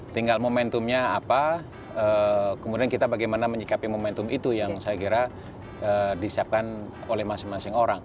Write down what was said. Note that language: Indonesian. tinggal momentumnya apa kemudian kita bagaimana menyikapi momentum itu yang saya kira disiapkan oleh masing masing orang